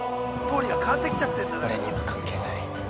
俺には関係ない。